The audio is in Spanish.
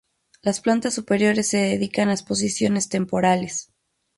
Las plantas superiores se dedican a exposiciones temporales.